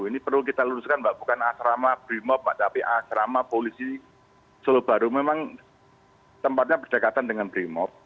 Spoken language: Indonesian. ini perlu kita luruskan mbak bukan asrama brimob mbak tpa asrama polisi solo baru memang tempatnya berdekatan dengan brimob